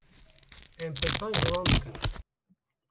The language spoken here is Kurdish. Em pirsan ji wan dikin.